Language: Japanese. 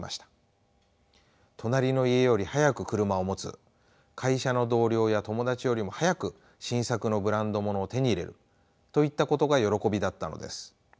隣の家より早く車を持つ会社の同僚や友達よりも早く新作のブランドものを手に入れるといったことが喜びだったのです。